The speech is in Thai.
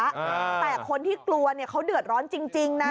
แต่คนที่กลัวเนี่ยเขาเดือดร้อนจริงนะ